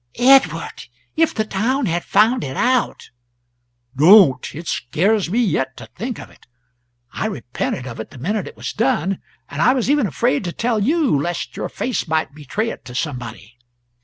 "Edward! If the town had found it out " "Don't! It scares me yet, to think of it. I repented of it the minute it was done; and I was even afraid to tell you lest your face might betray it to somebody.